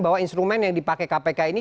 bahwa instrumen yang dipakai kpk ini